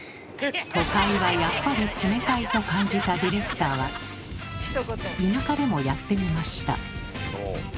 都会はやっぱり冷たいと感じたディレクターは田舎でもやってみました。